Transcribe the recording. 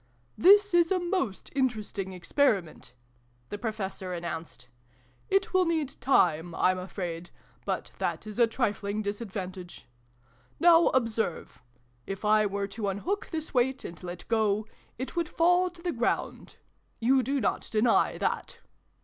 " This is a most interesting Experiment!" the Professor announced. "It xxi] THE PROFESSOR'S LECTURE. 343 will need time, I'm afraid : but that is a trifling disadvantage. Now observe. If I were to un hook this weight, and let go, it would fall to the ground. You do not deny that